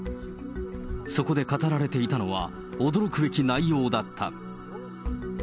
そこで語られていたのは、驚くべき内容だった。